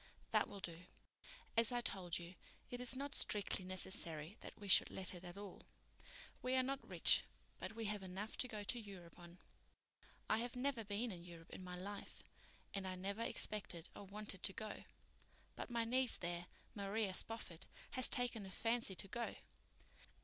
"That will do. As I told you, it is not strictly necessary that we should let it at all. We are not rich, but we have enough to go to Europe on. I have never been in Europe in my life, and never expected or wanted to go. But my niece there, Maria Spofford, has taken a fancy to go.